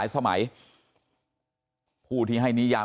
ขอบคุณเลยนะฮะคุณแพทองธานิปรบมือขอบคุณเลยนะฮะ